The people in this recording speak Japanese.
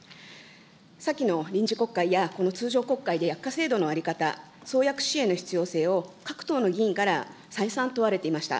先の臨時国会や、この通常国会で薬価制度の在り方、創薬支援の必要性を各党の議員から再三、問われていました。